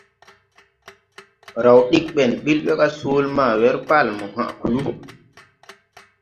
Raw diggi ɓil ɓɛ ga soole ma wɛr Bale mo hãʼ kluu.